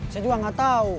saya juga nggak tahu